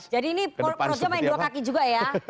jadi ini projo main dua kaki juga ya